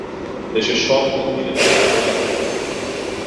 দেশের সব মন্দিরে তাদের আগরবাতি জ্বলে।